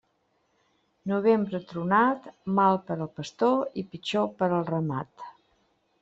Novembre tronat, mal per al pastor i pitjor per al ramat.